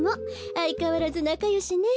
あいかわらずなかよしね。